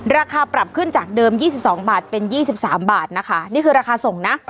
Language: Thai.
ราคาปรับขึ้นจากเดิม๒๒บาทเป็น๒๓บาทนะคะนี่คือราคาส่งนะ